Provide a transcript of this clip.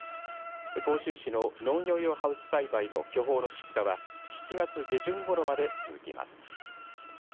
甲州市の農業用ハウス栽培の巨峰の出荷は７月下旬ごろまで続きます。